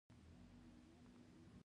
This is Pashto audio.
ګړندی شه کاروان هی کړه منزل لنډ دی.